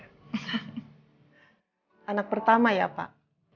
hai anak pertama ya pak